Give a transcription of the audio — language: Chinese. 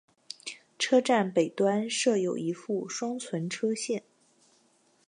车站北端设有一副双存车线。